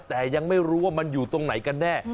แต่ยังไม่รู้ว่ามันอยู่ตรงไหนกันแน่